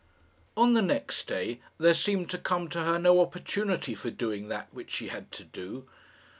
On the next day there seemed to come to her no opportunity for doing that which she had to do.